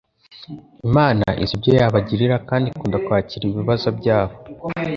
Imana izi ibyo yabagirira kandi ikunda kwakira ibibazo byabo